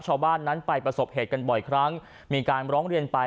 ชาวบ้านนั้นไปประสบเหตุกันบ่อยครั้งมีการร้องเรียนไป